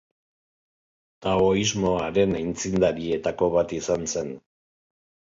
Taoismoaren aitzindarietako bat izan zen.